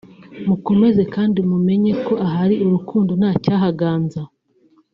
mukomeze kandi mumenye ko ahari urukundo nta cyahaganza